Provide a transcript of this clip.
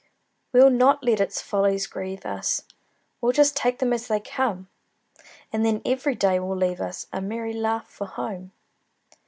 We'll not let its follies grieve us, We'll just take them as they come; And then every day will leave us A merry laugh for home.